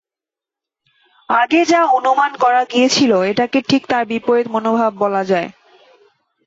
আগে যা অনুমান করা গিয়েছিল এটাকে ঠিক তার বিপরীত মনোভাব বলা যায়।